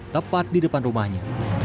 tepat di depan rumahnya